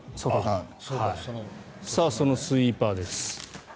そのスイーパーです。